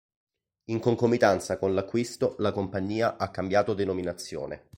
In concomitanza con l'acquisto la compagnia ha cambiato denominazione.